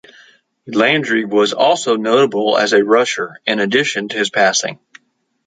Landry was also notable as a rusher, in addition to his passing.